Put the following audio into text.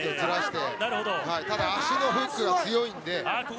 ただ、足のフックが強いので。